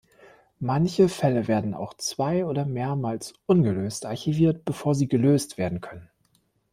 Manche Fälle werden auch zwei- oder mehrmals ungelöst archiviert, bevor sie gelöst werden können.